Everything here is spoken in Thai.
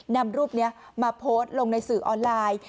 นำรูปนี้มาโพสต์ลงในสื่อออนไลน์